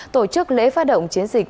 tổ chức lễ phát động chiến dịch